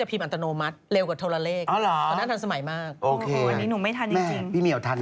พี่เหมียวทันคนเดียวนะครับ